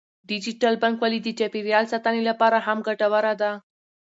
ډیجیټل بانکوالي د چاپیریال ساتنې لپاره هم ګټوره ده.